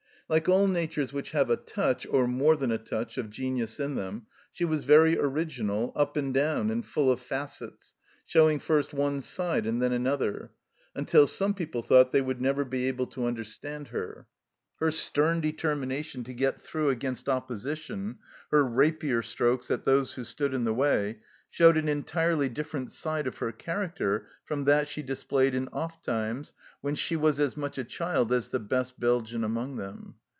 Like all natures which have a touch, or more than a touch, of genius in them, she was very original, up and down, and full of facets, showing first one side and then another, until some people thought they would never be able to understand 139 140 THE CELLAR HOUSE OF PERVYSE her. Her stern determination to get through against opposition, her rapier strokes at those who stood in the way, showed an entirely different side of her character from that she displayed in off times, when she was as much a child as the best Belgian among them.